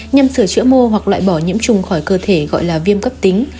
nhằm sửa chữa mô hoặc loại bỏ nhiễm trùng khỏi cơ thể gọi là viêm cấp tính